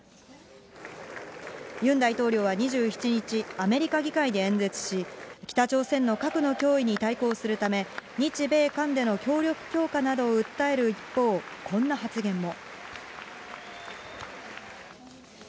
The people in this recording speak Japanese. ユン大統領は２７日、アメリカ議会で演説し、北朝鮮の核の脅威に対抗するため、日米韓での協力強化などを訴える一方、こんな発言も。